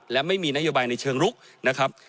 และไม่มีนโยบายในเชิงลุกนะครับ